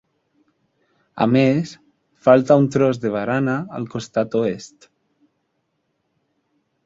A més, falta un tros de barana al costat oest.